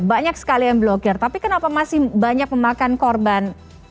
banyak sekali yang blokir tapi kenapa masih banyak memakan korban